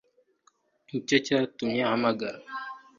Nicyo cyatumye uhamagara